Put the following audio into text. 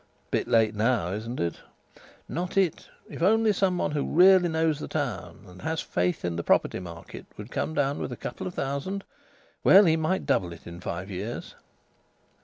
"Bit late now, isn't it?" "Not it. If only some one who really knows the town, and has faith in the property market, would come down with a couple of thousand well, he might double it in five years."